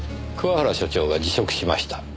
桑原所長が辞職しました。